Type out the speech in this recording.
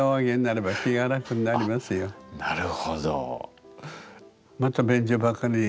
あなるほど。